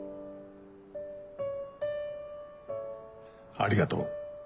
ありがとう。